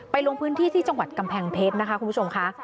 ลงพื้นที่ที่จังหวัดกำแพงเพชรนะคะคุณผู้ชมค่ะ